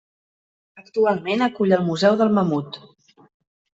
Actualment acull el Museu del Mamut.